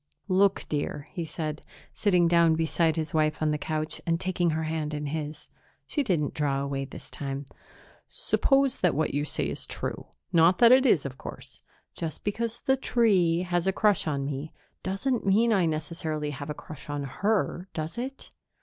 "Look, dear," he said, sitting down beside his wife on the couch and taking her hand in his. She didn't draw away this time. "Suppose that what you say is true not that it is, of course. Just because the tree has a crush on me doesn't mean I necessarily have a crush on her, does it?"